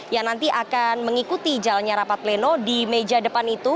yang nanti akan mengikuti jalannya rapat pleno di meja depan itu